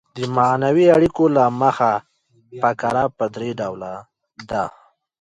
د معنوي اړیکو له مخه فقره پر درې ډوله ده.